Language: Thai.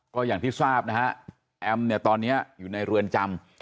ก็อย่างที่ทราบนะฮะแอมเนี่ยตอนนี้อยู่ในเรือนจำ